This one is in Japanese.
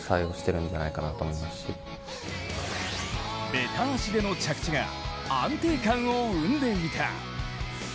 べた足での着地が安定感を生んでいた。